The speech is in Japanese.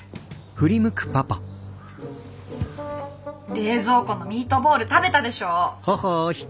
・冷蔵庫のミートボール食べたでしょ！？